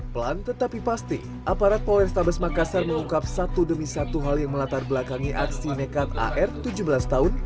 pelan tetapi pasti aparat polrestabes makassar mengungkap satu demi satu hal yang melatar belakangi aksi nekat ar tujuh belas tahun